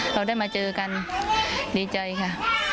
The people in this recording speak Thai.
เราได้มาเจอกันดีใจค่ะ